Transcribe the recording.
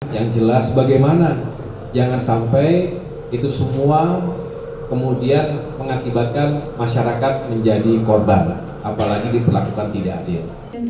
yang jelas bagaimana jangan sampai itu semua kemudian mengakibatkan masyarakat menjadi korban apalagi diperlakukan tidak adil